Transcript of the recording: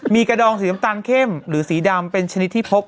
มีกระดองสีน้ำตาลเข้มหรือสีดำเป็นชนิดที่พบ